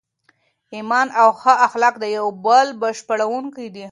ایمان او ښه اخلاق د یو بل بشپړونکي دي.